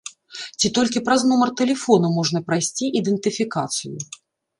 Ці толькі праз нумар тэлефона можна прайсці ідэнтыфікацыю?